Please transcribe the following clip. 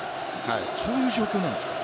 そういう状況なんですか？